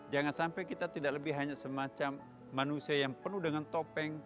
jangan sampai kita tidak lebih hanya semacam manusia yang penuh dengan topeng